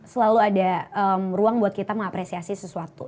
selalu ada ruang buat kita mengapresiasi sesuatu